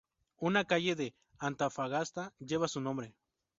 Una calle de Antofagasta lleva su nombre.